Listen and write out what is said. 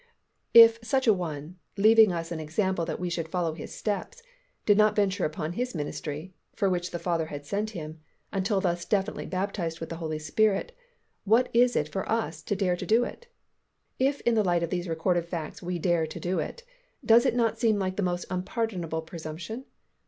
If such an One "leaving us an example that we should follow His steps" did not venture upon His ministry, for which the Father had sent Him, until thus definitely baptized with the Holy Spirit, what is it for us to dare to do it? If in the light of these recorded facts we dare to do it, does it not seem like the most unpardonable presumption?